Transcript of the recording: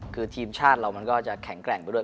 คือทีมชาติเรามันก็จะแข็งแกร่งไปด้วย